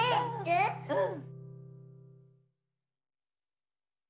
うん。